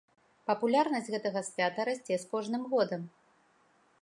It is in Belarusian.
Папулярнасць гэтага свята расце з кожным годам.